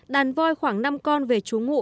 đàn voi khoảng năm con về trú ngụ